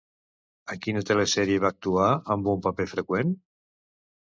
En quina telesèrie va actuar amb un paper freqüent?